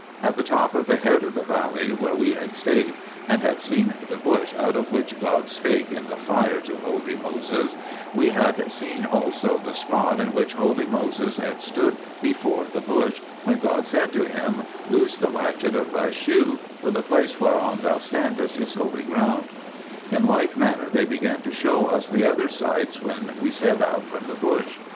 At the top of the head of the valley where we had stayed and had seen the bush out of which God spake in the fire to holy Moses, we had seen also the spot on which holy Moses had stood before the bush when God said to him : Loose the latchet of thy shoe, for the place whereon thou standest is holy ground) In like manner they began to show us the other sites when we set out from the bush.